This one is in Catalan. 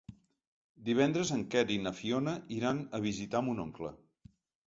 Divendres en Quer i na Fiona iran a visitar mon oncle.